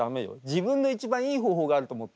自分の一番いい方法があると思って。